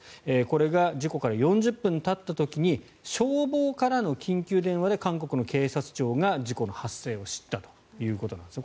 これが事故から４０分たった時に消防からの緊急電話で韓国の警察庁が事故の発生を知ったということなんです。